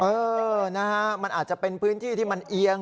เออนะฮะมันอาจจะเป็นพื้นที่ที่มันเอียง